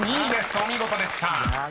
お見事でした］